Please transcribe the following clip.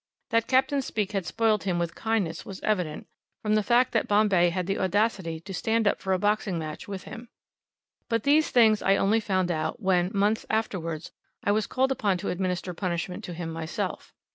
That Capt. Speke had spoiled him with kindness was evident, from the fact that Bombay had the audacity to stand up for a boxing match with him. But these things I only found out, when, months afterwards, I was called upon to administer punishment to him myself.